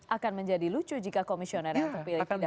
akan menjadi lucu jika komisioner yang terpilih tidak bernama apa apa